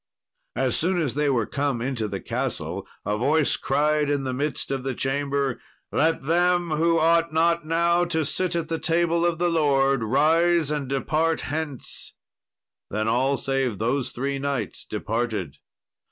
As soon as they were come into the castle, a voice cried in the midst of the chamber, "Let them who ought not now to sit at the table of the Lord rise and depart hence!" Then all, save those three knights, departed.